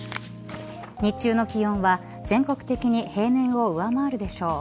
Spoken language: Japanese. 日中の気温は全国的に平年を上回るでしょう。